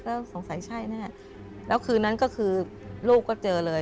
แล้วสงสัยใช่แน่แล้วคืนนั้นก็คือลูกก็เจอเลย